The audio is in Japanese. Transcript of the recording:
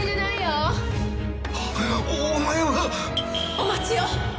お待ちを！